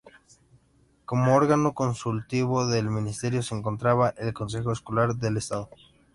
Como órgano consultivo del Ministerio se encontraba el Consejo Escolar del Estado.